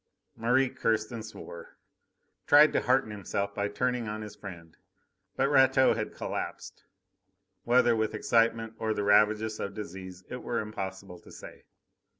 Merri cursed and swore, tried to hearten himself by turning on his friend. But Rateau had collapsed whether with excitement or the ravages of disease, it were impossible to say.